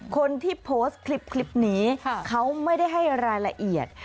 คนที่โพสต์คลิปนี้เขาไม่ได้ให้รายละเอียด